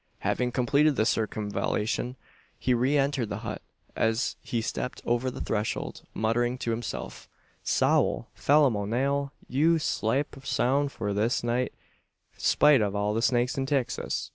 Having completed the circumvallation, he re entered the hut; as he stepped over the threshold, muttering to himself "Sowl! Phalim O'Nale, you'll slape sound for this night, spite ov all the snakes in Tixas!"